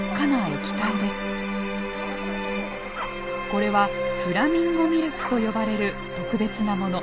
これはフラミンゴミルクと呼ばれる特別なもの。